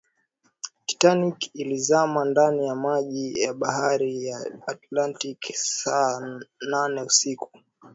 titanic ilizama ndani ya maji ya bahari ya atlantiki saa nane usiku